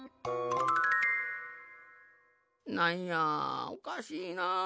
なんやおかしいな。